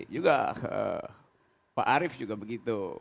juga pak arief juga begitu